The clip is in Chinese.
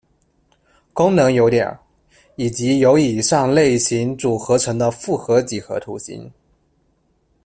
功能有点，以及由以上类型组合成的复合几何图形。